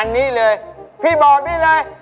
อันนี้เลยพี่บอกได้เลย